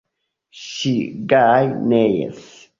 Ŝi gaje neis.